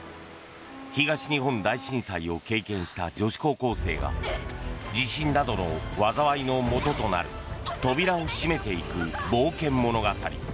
東日本大震災を経験した女子高校生が地震などの災いのもととなる扉を閉めていく冒険物語。